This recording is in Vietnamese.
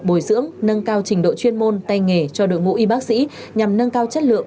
bồi dưỡng nâng cao trình độ chuyên môn tay nghề cho đội ngũ y bác sĩ nhằm nâng cao chất lượng